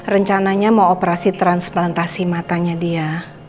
rencananya mau operasi transplantasi matanya dia